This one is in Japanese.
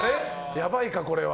やばいか、これは。